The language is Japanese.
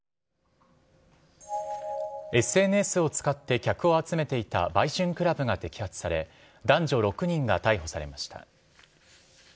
ＳＮＳを使って客を集めていた売春クラブが摘発され、男女６人が逮捕されました。